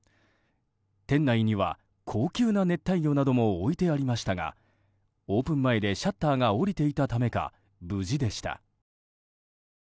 店内には高級な熱帯魚なども置いてありましたがオープン前でシャッターが下りていたためか無事でした。